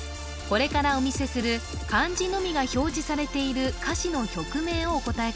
これからお見せする漢字のみが表示されている歌詞の曲名をお答え